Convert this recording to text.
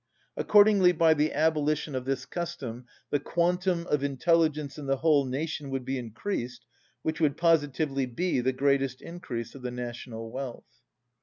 Accordingly by the abolition of this custom the quantum of intelligence in the whole nation would be increased, which would positively be the greatest increase of the national wealth.